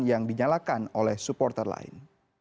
yang dinyalakan oleh supporter lain